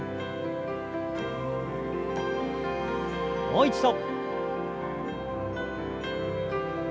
もう一度。